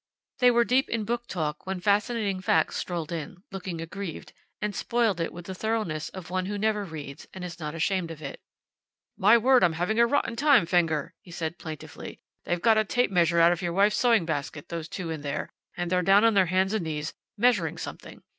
They were deep in book talk when Fascinating Facts strolled in, looking aggrieved, and spoiled it with the thoroughness of one who never reads, and is not ashamed of it. "My word, I'm having a rotten time, Fenger," he said, plaintively. "They've got a tape measure out of your wife's sewing basket, those two in there, and they're down on their hands and knees, measuring something.